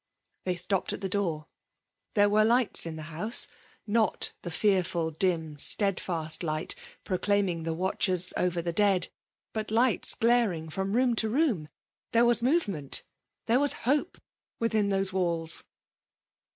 They stopped at the door. There were lights in the house. Not the fesffid* PBMALB DOMINATION. 127 dim, steadfast light, proclaiming the watchers over the dead ; but lights glaring from room to room. There was movement — ^there was hope within those walls